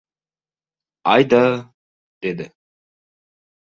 — Ayda! — dedi.